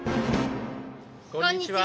こんにちは。